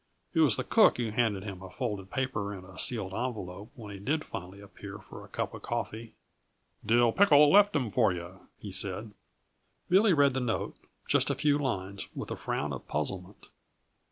It was the cook who handed him a folded paper and a sealed envelope when he did finally appear for a cup of coffee. "Dill pickle left 'em for yuh," he said. Billy read the note just a few lines, with a frown of puzzlement.